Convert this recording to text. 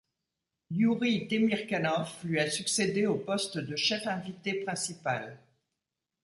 Iouri Temirkanov lui a succédé au poste de chef invité principal.